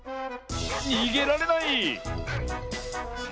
にげられない！